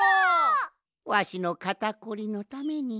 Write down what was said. わしのかたこりのために。